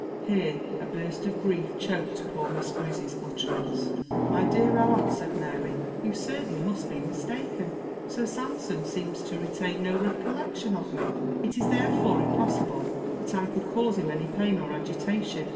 Here a burst of grief choked poor Miss Grizzy's utterance. "My dear aunt," said Mary, "you certainly must be mistaken. Sir Sampson seems to retain no recollection of me. It is therefore impossible that I could cause him any pain or agitation."